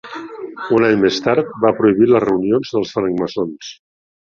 Un any més tard va prohibir les reunions dels francmaçons.